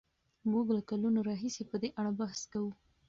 موږ له کلونو راهیسې په دې اړه بحث کوو.